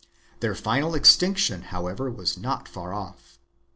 4 Their final extinction, however, was not far off.